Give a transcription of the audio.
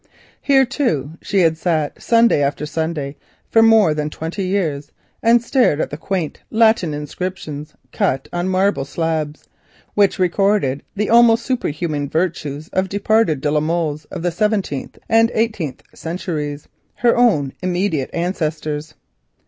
Here, too, she had sat on Sunday after Sunday for more than twenty years, and stared at the quaint Latin inscriptions cut on marble slabs, recording the almost superhuman virtues of departed de la Molles of the eighteenth century, her own immediate ancestors.